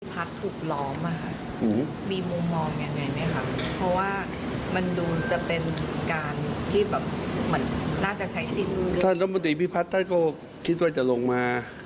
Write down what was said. พิพัฒน์ถูกล้อมมีมุมมองอย่างไรไหมครับ